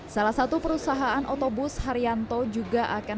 salah satu perusahaan otobus haryanto juga akan